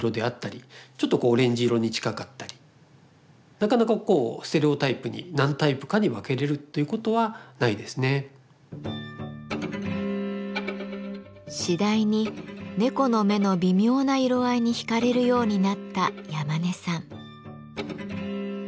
なかなかこうステレオタイプに次第に猫の目の微妙な色合いに惹かれるようになった山根さん。